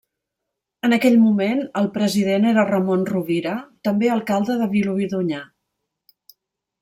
En aquell moment el president era Ramon Rovira, també alcalde de Vilobí d'Onyar.